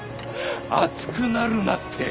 熱くなるなって。